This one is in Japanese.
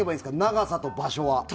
長さと場所は。